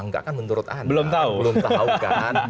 langkah kan menurut anda belum tahu belum tahu kan